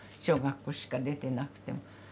小学校しか出てなくても。